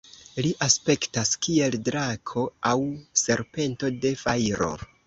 Li aspektas kiel drako aŭ serpento de fajro.